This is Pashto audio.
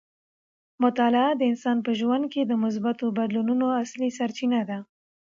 مطالعه د انسان په ژوند کې د مثبتو بدلونونو اصلي سرچینه ده.